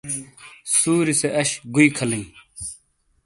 سوری سے اش گوئی کھہ لی